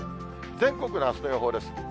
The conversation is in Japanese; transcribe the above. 全国のあすの予報です。